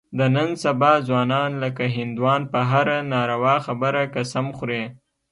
د نن سبا ځوانان لکه هندوان په هره ناروا خبره قسم خوري.